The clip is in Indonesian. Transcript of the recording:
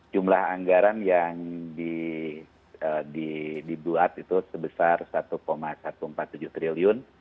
jumlah anggaran yang dibuat itu sebesar satu satu ratus empat puluh tujuh triliun